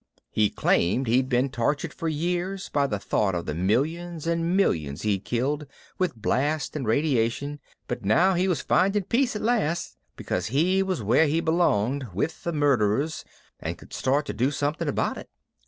He claimed he'd been tortured for years by the thought of the millions and millions he'd killed with blast and radiation, but now he was finding peace at last because he was where he belonged, with the murderers, and could start to do something about it.